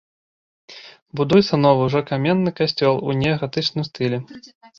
Будуецца новы, ужо каменны касцёл у неагатычным стылі.